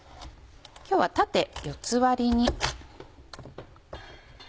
今日は縦四つ割りに。